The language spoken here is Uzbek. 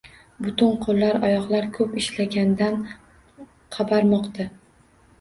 Butun qoʻllar, oyoqlar, koʻp ishlagandan qabarmoqda